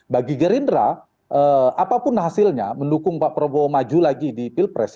bagi gerindra apapun hasilnya mendukung pak prabowo maju lagi di pilpres